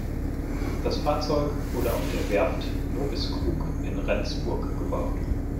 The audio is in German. Das Fahrzeug wurde auf der Werft Nobiskrug in Rendsburg gebaut.